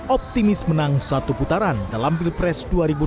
optimis menang satu putaran dalam pilpres dua ribu dua puluh